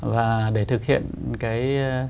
và để thực hiện cái